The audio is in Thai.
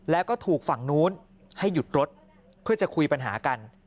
แล้วก็ถูกฝั่งนู้นให้หยุดรถเพื่อจะคุยปัญหากัน